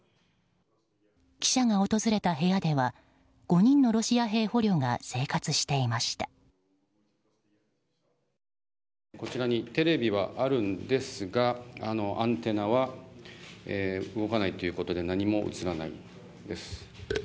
記者が訪れた部屋では５人のロシア兵捕虜がこちらのテレビはあるんですがアンテナは動かないということで何も映らないです。